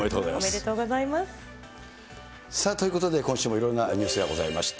おめでとうございます。ということで、今週もいろいろなニュースがございました。